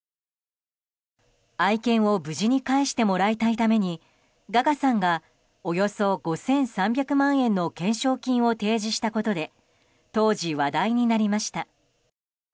愛犬を無事に返してもらいたいためにガガさんがおよそ５３００万円の懸賞金を提示したことで当時、話題になりました。